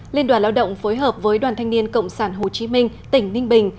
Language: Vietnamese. liên đoàn lao động phối hợp với đoàn thanh niên cộng sản hồ chí minh tỉnh ninh bình